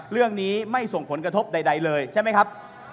เรื่องนี้ไม่ส่งผลกระทบใดเลยใช่ไหมครับ